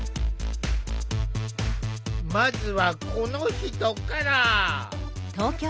まずはこの人から。